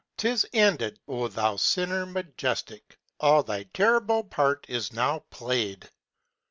'tis ended Oh thou sinner majestic, All thy terrible part is now played!